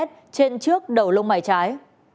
trên trước đầu lông mày trái